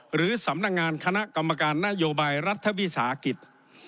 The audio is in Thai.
หรือสำนักงานคณะกรรมการนโยบายรัฐวิสาหกิจ